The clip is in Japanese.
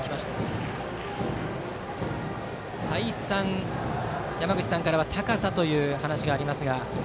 再三、山口さんからは高さという話がありました。